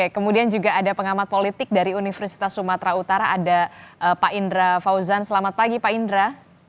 kemudian juga ada pengamat politik dari universitas sumatera utara ada pak indra fauzan selamat pagi pak indra